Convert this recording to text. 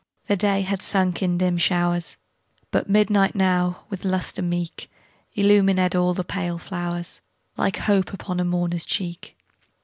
The day had sunk in dim showers, But midnight now, with lustre meek, Illumined all the pale flowers, Like hope upon a mourner's cheek.